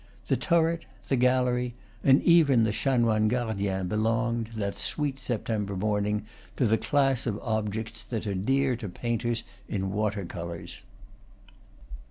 The turret, the gallery, and even the chanoine gardien, belonged, that sweet September morning, to the class of objects that are dear to paint ers in water colors.